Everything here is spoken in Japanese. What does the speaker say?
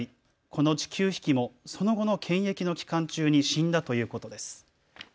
このうち９匹もその後の検疫の期間中に死んだということです。